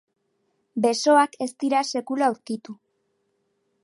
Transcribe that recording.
Besoak ez dira sekula aurkitu.